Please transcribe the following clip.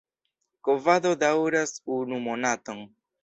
Kovado daŭras unu monaton.